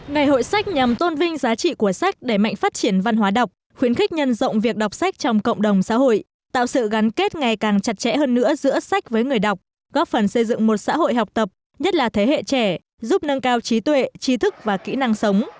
ngày hội sách nhằm tôn vinh giá trị của sách để mạnh phát triển văn hóa đọc khuyến khích nhân rộng việc đọc sách trong cộng đồng xã hội tạo sự gắn kết ngày càng chặt chẽ hơn nữa giữa sách với người đọc góp phần xây dựng một xã hội học tập nhất là thế hệ trẻ giúp nâng cao trí tuệ chi thức và kỹ năng sống